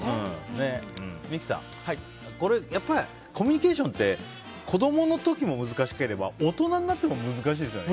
三木さん、これやっぱりコミュニケーションって子供の時も難しければ大人になっても難しいですよね。